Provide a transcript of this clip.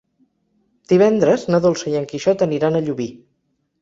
Divendres na Dolça i en Quixot aniran a Llubí.